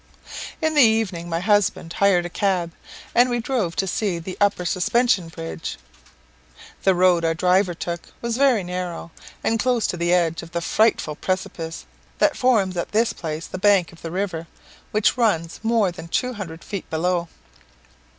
In the evening my husband hired a cab, and we drove to see the Upper Suspension Bridge. The road our driver took was very narrow, and close to the edge of the frightful precipice that forms at this place the bank of the river, which runs more than two hundred feet below.